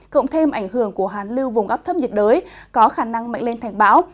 cộng thêm ảnh hưởng của hàn lưu vùng ấp thấp nhiệt đới có khả năng mạnh lên thành bão